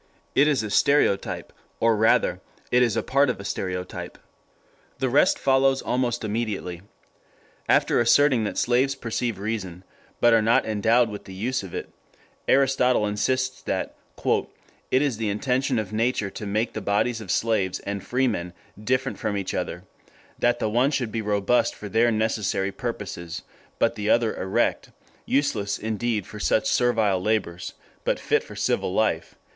It is a stereotype, or rather it is part of a stereotype. The rest follows almost immediately. After asserting that slaves perceive reason, but are not endowed with the use of it, Aristotle insists that "it is the intention of nature to make the bodies of slaves and free men different from each other, that the one should be robust for their necessary purposes, but the other erect; useless indeed for such servile labours, but fit for civil life...